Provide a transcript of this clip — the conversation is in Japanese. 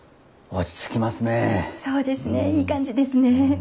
そうですねいい感じですね。